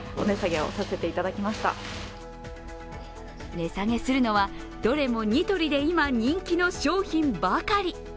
値下げするのは、どれもニトリで今人気の商品ばかり。